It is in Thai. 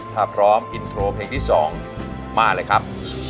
ถ้าพร้อมอินโทรเพลงที่๒มาเลยครับ